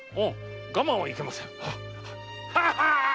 我慢はいけませぬ。